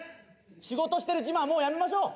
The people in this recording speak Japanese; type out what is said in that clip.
仕事してる自慢もうやめましょう。